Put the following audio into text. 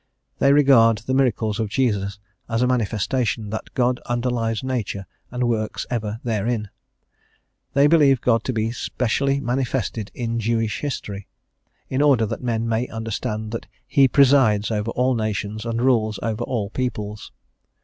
They regard the miracles of Jesus as a manifestation that God underlies Nature and works ever therein: they believe God to be specially manifested in Jewish history, in order that men may understand that He presides over all nations and rules over all peoples.